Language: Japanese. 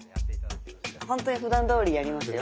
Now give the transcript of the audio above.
本当にふだんどおりやりますよ。